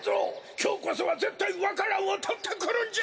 きょうこそはぜったいわか蘭をとってくるんじゃ！